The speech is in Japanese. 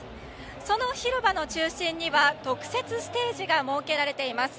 その広場の中心には特設ステージが設けられています。